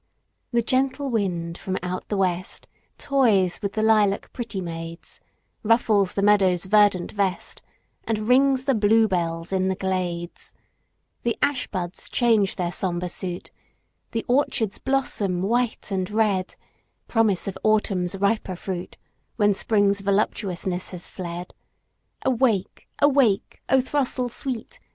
The gentle wind from out the west Toys with the lilac pretty maids; Ruffles the meadow's verdant vest, And rings the bluebells in the glades; The ash buds change their sombre suit, The orchards blossom white and red— Promise of Autumn's riper fruit, When Spring's voluptuousness has fled. Awake! awake, O throstle sweet!